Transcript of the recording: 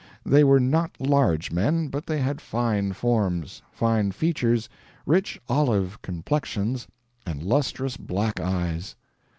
They were not large men, but they had fine forms, fine features, rich olive complexions, and lustrous black eyes.